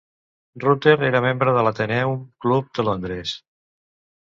Rutter era membre de l'Athenaeum Club, de Londres.